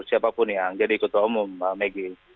siapapun yang jadi ketua umum pak meggy